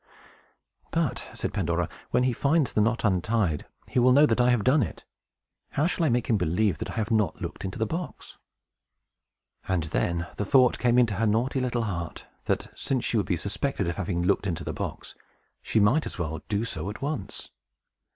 "But," said Pandora, "when he finds the knot untied, he will know that I have done it. How shall I make him believe that I have not looked into the box?" And then the thought came into her naughty little heart, that, since she would be suspected of having looked into the box, she might just as well do so at once.